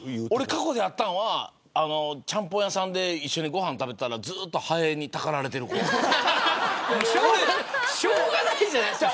過去にあったのはちゃんぽん屋さんで一緒にご飯を食べたらしょうがないじゃないですか。